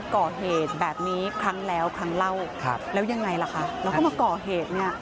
ก่อเหตุแบบนี้ครั้งแล้วครั้งเล่าครับแล้วยังไงล่ะคะแล้วก็มาก่อเหตุเนี่ย